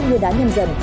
các người đàn nhân dân